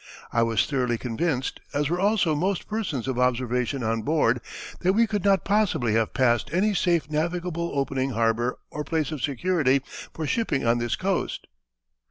I was thoroughly convinced, as were also most persons of observation on board, that we could not possibly have passed any safe navigable opening harbor or place of security for shipping on this coast."